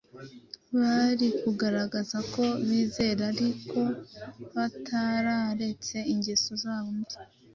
bari kugaragaza ko bizera ariko batararetse ingeso zabo mbi.